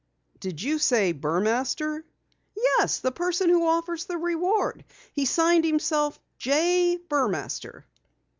"Did you say Burmaster?" "Yes, the person who offers the reward. He signed himself J. Burmaster."